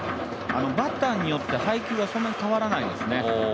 バッターによって配球がそんなに変わらないんですね。